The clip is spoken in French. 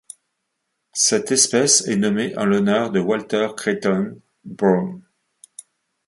Cette espèce est nommée en l'honneur de Walter Creighton Brown.